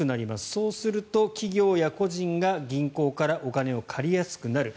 そうすると、企業や個人が銀行からお金を借りやすくなる。